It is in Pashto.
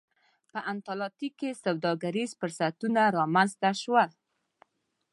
په اتلانتیک کې سوداګریز فرصتونه رامنځته شول